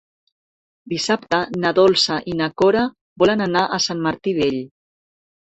Dissabte na Dolça i na Cora volen anar a Sant Martí Vell.